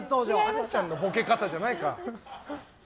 あっちゃんのボケ方じゃないか。